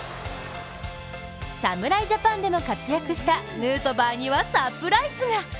侍ジャパンでも活躍したヌートバーにはサプライズが！